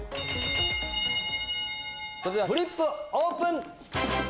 それではフリップオープン！